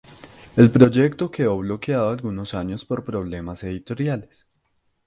El proyecto quedó bloqueado algunos años por problemas editoriales.